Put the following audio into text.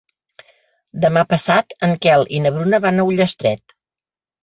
Demà passat en Quel i na Bruna van a Ullastret.